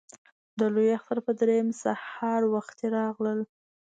د لوی اختر په درېیمه سهار وختي راغلل.